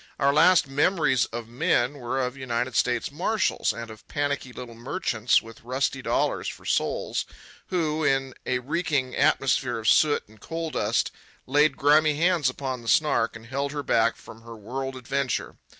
Our last memories of men were of United States marshals and of panicky little merchants with rusty dollars for souls, who, in a reeking atmosphere of soot and coal dust, laid grimy hands upon the Snark and held her back from her world adventure.